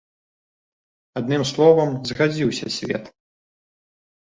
Адным словам, згадзіўся свет.